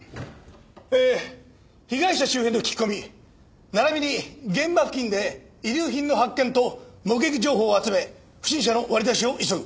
えー被害者周辺の聞き込み並びに現場付近で遺留品の発見と目撃情報を集め不審者の割り出しを急ぐ。